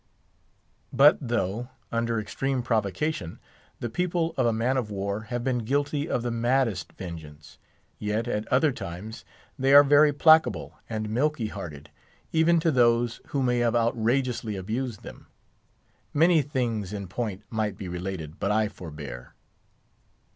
But though, under extreme provocation, the people of a man of war have been guilty of the maddest vengeance, yet, at other times, they are very placable and milky hearted, even to those who may have outrageously abused them; many things in point might be related, but I forbear.